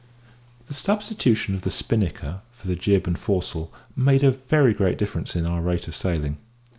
The substitution of the spinnaker for the jib and foresail made a very great difference in our rate of sailing.